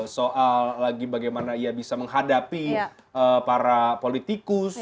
soal lagi bagaimana ia bisa menghadapi para politikus